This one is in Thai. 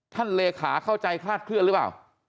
เลขาเข้าใจคลาดเคลื่อนหรือเปล่า